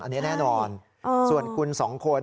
อันนี้แน่นอนส่วนคุณสองคน